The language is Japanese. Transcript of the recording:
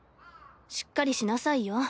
しっかりしなさいよ。